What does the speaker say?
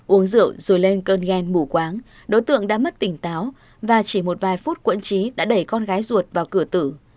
uống rượu rồi lên cơn ghen mù quáng đối tượng đã mất tỉnh táo và chỉ một vài phút quẫn trí đã đẩy con gái ruột vào cửa tử